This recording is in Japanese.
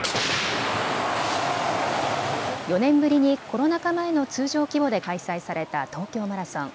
４年ぶりにコロナ禍前の通常規模で開催された東京マラソン。